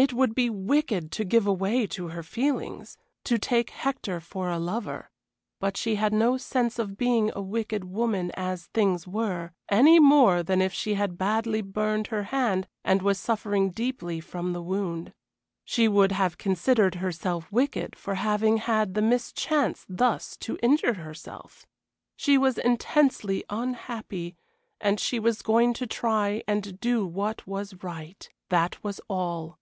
It would be wicked to give way to her feelings, to take Hector for a lover; but she had no sense of being a wicked woman as things were, any more than if she had badly burned her hand and was suffering deeply from the wound; she would have considered herself wicked for having had the mischance thus to injure herself. She was intensely unhappy, and she was going to try and do what was right. That was all.